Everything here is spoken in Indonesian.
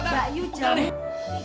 mbak yuk jalan nih